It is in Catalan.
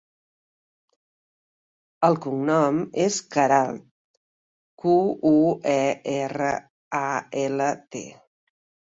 El cognom és Queralt: cu, u, e, erra, a, ela, te.